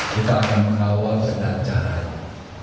kita akan mengawal sedang caranya